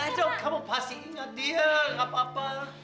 ayo kamu pasti ingat dia gak apa apa